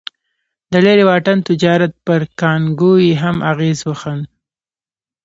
د لرې واټن تجارت پر کانګو یې هم اغېز وښند.